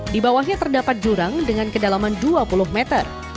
di bawahnya terdapat jurang dengan kedalaman dua puluh meter